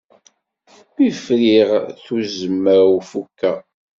Mi friɣ ttuzma-w fukeɣ.